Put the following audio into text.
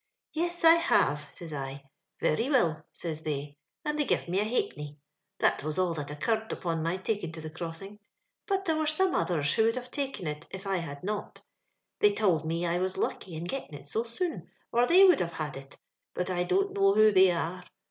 *Yes, I have,' says I. 'Very will,' says they, and they give me a ha'penny. That was all that occurred upon my takin' to tlie crossin*. But there were some others who would have taken it if I had not ; they tould me I was lucky in gettin' it so soon, or they would have had it, but I don't know who they are.